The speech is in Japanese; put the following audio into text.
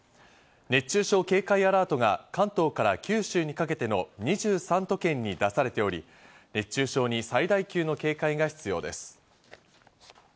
熱中症警戒アラートが関東から九州にかけての２３都県に出されており、熱中症に最大級の警戒が必要です。